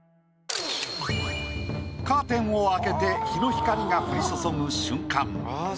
カーテンを開けて日の光が降り注ぐ瞬間。